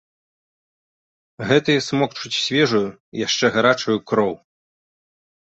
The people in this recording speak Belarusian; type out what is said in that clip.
Гэтыя смокчуць свежую, яшчэ гарачую, кроў.